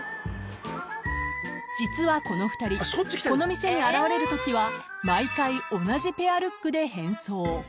［実はこの２人この店に現れるときは毎回同じペアルックで変装］